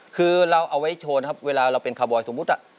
คือเราเอาไว้โชว์นะครับเวลาเราเป็นคาร์บอยสมมุติ